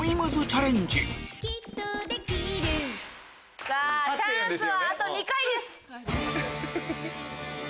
チャンスはあと２回です。